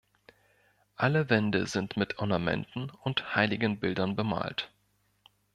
Alle Wände sind mit Ornamenten und Heiligenbildern bemalt.